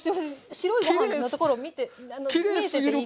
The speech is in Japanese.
白いご飯のところ見えてていいんですか？